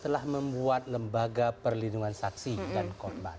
telah membuat lembaga perlindungan saksi dan korban